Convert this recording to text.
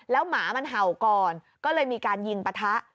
หมามันเห่าก่อนก็เลยมีการยิงปะทะ